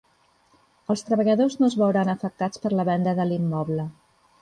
Els treballadors no es veuran afectats per la venda de l'immoble.